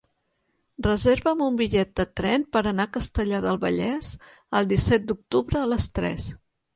Reserva'm un bitllet de tren per anar a Castellar del Vallès el disset d'octubre a les tres.